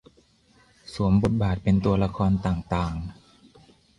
สวมบทบาทเป็นตัวละครต่างต่าง